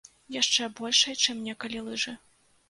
Яшчэ большай, чым некалі лыжы.